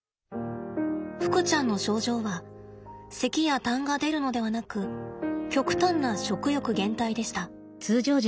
ふくちゃんの症状はせきやたんが出るのではなく極端な食欲減退でした。